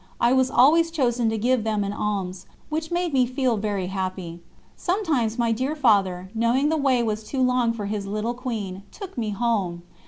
I was always chosen to give them an alms, which made me feel very happy. Sometimes, my dear Father, knowing the way was too long for his little Queen, took me home.